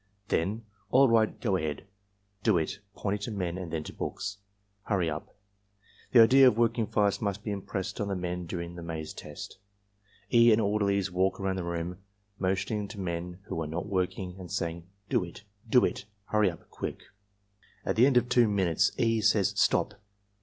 Then, "All right. Go ahead. Do it (pointing to men and then to books). Hurry up." The idea of working fast must be impressed on the men during the maze test. E. and orderlies walk around the room, motion ing to men who are not working, and saying, "Do it,, do it, hurry up, quick." At the end of 2 minutes E. says, "Stop!